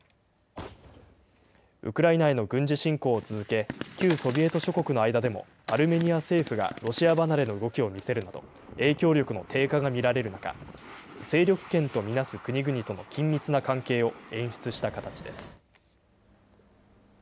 ウクライナへの軍事侵攻を続け、旧ソビエト諸国の間でもアルメニア政府がロシア離れの動きを見せるなど、影響力の低下が見られる中、勢力圏と見なす国々との緊密な関係を演出した形です。